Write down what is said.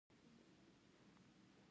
د کتاب سپکاوی د پوهې سپکاوی دی.